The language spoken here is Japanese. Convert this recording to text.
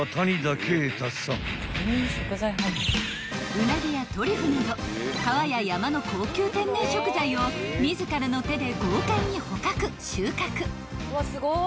［ウナギやトリュフなど川や山の高級天然食材を自らの手で豪快に捕獲収穫］